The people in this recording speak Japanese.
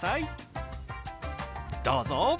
どうぞ！